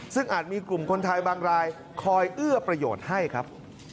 ซึ่งอาจมีกลุ่มคนไทยบางรายคอยเอื้อประโยชน์ให้ครับ